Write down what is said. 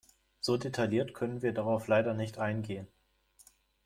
So detailliert können wir darauf leider nicht eingehen.